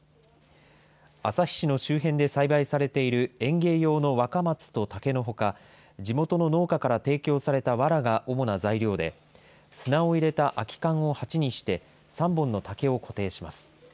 旭市の周辺で栽培されている園芸用の若松と竹のほか、地元の農家から提供されたわらが主な材料で、砂を入れた空き缶を鉢にして３本の竹を固定します。